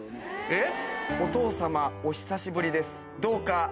えっ？